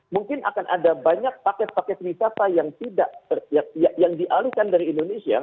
mungkin akan ada banyak paket paket wisata yang dialihkan dari indonesia